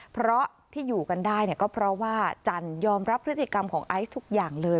เพราะที่อยู่กันได้เนี่ยก็เพราะว่าจันยอมรับพฤติกรรมของไอซ์ทุกอย่างเลย